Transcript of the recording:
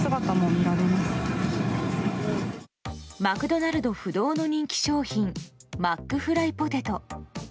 マクドナルド不動の人気商品マックフライポテト。